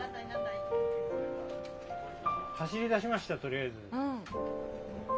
走り出しました、とりあえず。